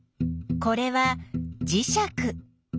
これはじしゃく。